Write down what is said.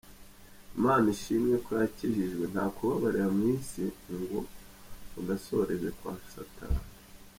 Imana ishimwe ko yakijijwe ntakubabarira mu Isi nggo unasoreze kwa satani .